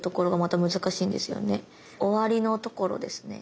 終わりのところですね。